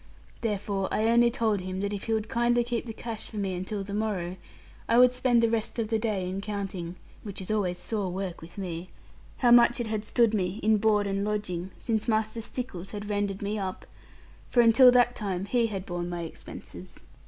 Therefore I only told him that if he would kindly keep the cash for me until the morrow, I would spend the rest of the day in counting (which always is sore work with me) how much it had stood me in board and lodging, since Master Stickles had rendered me up; for until that time he had borne my expenses.